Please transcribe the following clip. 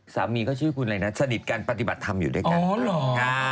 สามีเขาชื่อคุณอะไรนะสนิทกันปฏิบัติธรรมอยู่ด้วยกัน